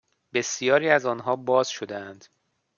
بسیاری از آنها باز شدهاند